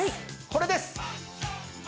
これです！